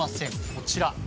こちら。